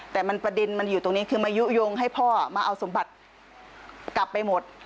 แต่ประเด็นมันอยู่ตรงนี้คือมายุโยงให้พ่อมาเอาสมบัติกลับไปหมด